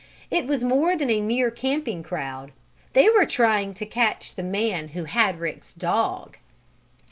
It was more than a mere camping crowd they were trying to catch the man who had Rick's dog!